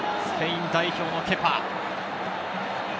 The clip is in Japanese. スペイン代表のケパ。